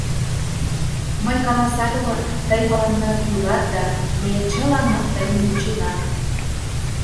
Мый каласаш толынам: тый мыланна кӱлат да ме чыланат тыйым вучена.